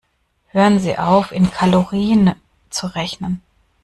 Hören Sie auf, in Kalorien zu rechnen.